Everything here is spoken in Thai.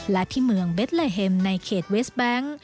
และที่เมืองเบ็ดเลเฮมในเขตเวสแบงค์